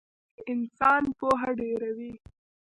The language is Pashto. انسان پوهه ډېروي